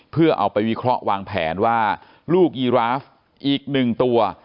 เพื่อเอาไปวิเคราะห์วางแผนว่าลูกยีราฟอีกหนึ่งตัว